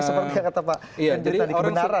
seperti yang kata pak